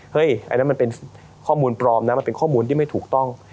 อันนั้นมันเป็นข้อมูลปลอมนะมันเป็นข้อมูลที่ไม่ถูกต้อง